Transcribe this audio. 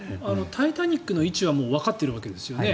「タイタニック」の位置はもうわかっているわけですよね。